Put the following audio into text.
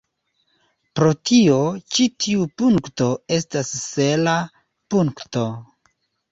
Pro tio, ĉi tiu punkto estas sela punkto.